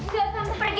tidak kamu pergi